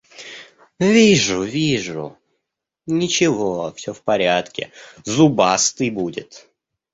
Вижу, вижу... Ничего, все в порядке: зубастый будет.